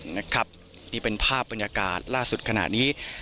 นะครับนี่เป็นภาพบรรยากาศล่าสุดขนาดนี้